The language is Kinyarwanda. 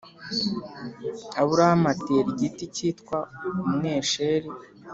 Aburahamu atera igiti cyitwa umwesheri